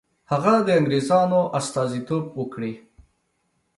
هغه د انګرېزانو استازیتوب وکړي.